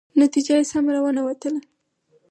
نتیجه یې سمه را ونه وتله.